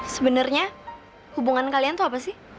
sebenernya hubungan kalian tuh apa sih